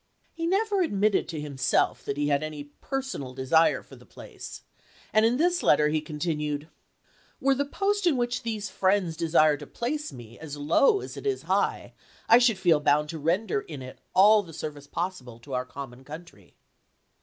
He never admitted to himself that he had any personal desire for the place, and in this letter he continued : "Were the post in which these friends desire to place me as low as it is high, I should feel bound to render m it all the service possible to our common to spencer, ^, T T Dec. 4, 1863. country."